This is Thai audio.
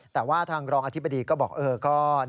แต่ว่าทางรองอธิบดีก็บอก